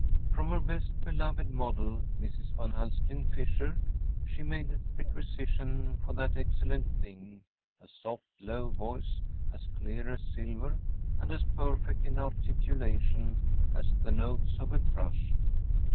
‚ÄĚ From her best beloved model, Mrs. Van Alstyne Fisher, she made requisition for that excellent thing, a soft, low voice as clear as silver and as perfect in articulation as the notes of a thrush.